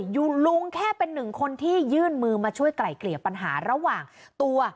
ลุงแค่เป็นหนึ่งคนที่ยื่นมือมาช่วยไกล่เกลี่ยปัญหาระหว่างตัว